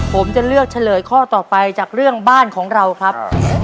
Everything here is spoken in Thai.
ผมจะเลือกเฉลยข้อต่อไปจากเรื่องบ้านของเราครับ